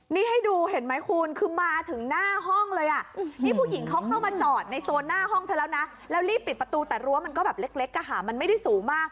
นี่ให้ดูเห็นไหมคุณคือมาถึงหน้าห้องเลยอ่ะนี่ผู้หญิงเขาเข้ามาจอดในโซนหน้าห้องเธอแล้วนะแล้วรีบปิดประตูแต่รั้วมันก็แบบเล็กมันไม่ได้สูงมาก